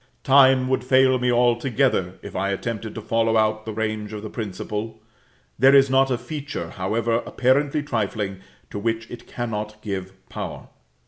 Time would fail me altogether, if I attempted to follow out the range of the principle; there is not a feature, however apparently trifling, to which it cannot give power.